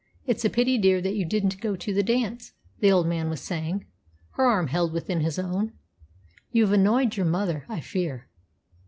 "It's a pity, dear, that you didn't go to the dance," the old man was saying, her arm held within his own. "You've annoyed your mother, I fear."